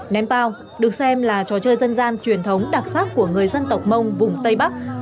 ném pao được xem là trò chơi dân gian truyền thống đặc sắc của người dân tộc mông vùng tây bắc